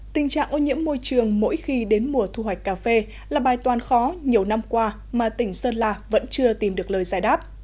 tình trạng ô nhiễm môi trường mỗi khi đến mùa thu hoạch cà phê là bài toàn khó nhiều năm qua mà tỉnh sơn la vẫn chưa tìm được lời giải đáp